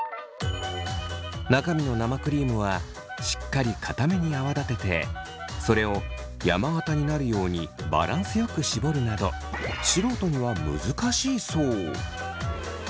中身の生クリームはしっかりかために泡立ててそれを山形になるようにバランスよく絞るなど素人には難しいそう。